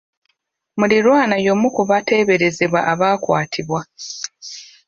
Muliraanwa y'omu ku bateeberezebwa abaakwatibwa.